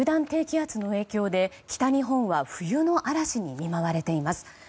低気圧の影響で北日本は冬の嵐に見舞われています。